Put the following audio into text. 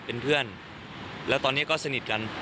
เป็นเพื่อนแล้วตอนนี้ก็สนิทกัน